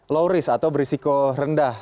low risk atau berisiko rendah